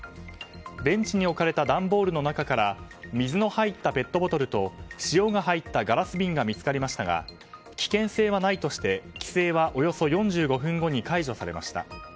ベンチに置かれた段ボールの中から水の入ったペットボトルと塩が入ったガラス瓶が見つかりましたが危険性はないとして規制はおよそ４５分後に解除されました。